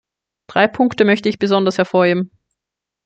Drei Punkte möchte ich besonders hervorheben.